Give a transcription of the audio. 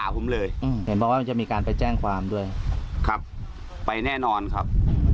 ผมเสียเสื้อเสียงของผมอยู่แล้วครับ